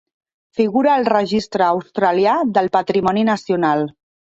Figura al registre australià del patrimoni nacional.